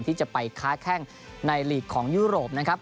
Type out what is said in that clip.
ที่จะไปค้าแข้งในลีกของยุโรปนะครับ